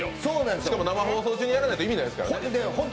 しかも生放送中にやらないと意味ないですからね。